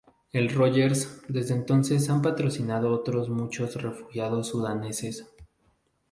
El Rogers desde entonces han patrocinado otros muchos refugiados sudaneses.